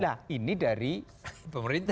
nah ini dari pemerintah